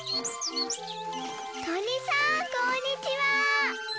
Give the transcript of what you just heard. とりさんこんにちは！